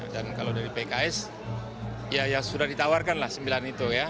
dan kalau dari pks ya sudah ditawarkan lah sembilan itu ya